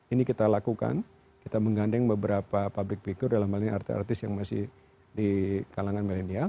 ini kita lakukan kita menggandeng beberapa public figure dalam arti arti yang masih di kalangan millennial